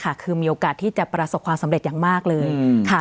คือมีโอกาสที่จะประสบความสำเร็จอย่างมากเลยค่ะ